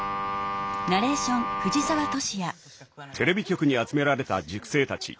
テレビ局に集められた塾生たち。